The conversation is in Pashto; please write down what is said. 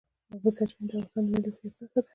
د اوبو سرچینې د افغانستان د ملي هویت نښه ده.